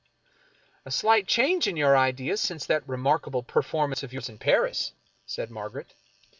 " A slight change in your ideas since that remarkable per formance of yours in Paris," said Margaret.